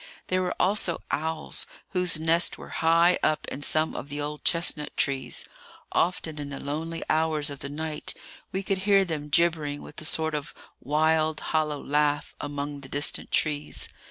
There were also owls, whose nests were high up in some of the old chestnut trees. Often in the lonely hours of the night we could hear them gibbering with a sort of wild, hollow laugh among the distant trees.